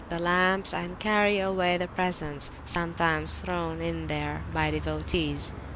316] the lamps, and carry away the presents sometimes thrown in here by devotees.